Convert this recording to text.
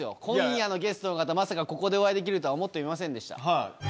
今夜のゲストの方まさかここでお会いできるとは思ってもいませんでした。